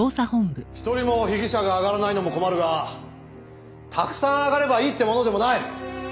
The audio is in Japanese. １人も被疑者が挙がらないのも困るがたくさん挙がればいいってものでもない！